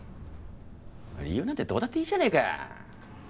理由なんてどうだっていいじゃねえか。